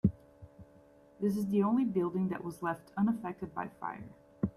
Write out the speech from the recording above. This is the only building that was left unaffected by fire.